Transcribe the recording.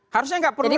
harusnya gak perlu naik